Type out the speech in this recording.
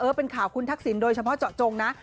เป็นข่าวคุณทักษิณโดยเฉพาะเจาะจงนะ